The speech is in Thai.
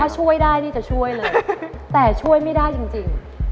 ถ้าช่วยได้นี่จะช่วยเลยแต่ช่วยไม่ได้จริง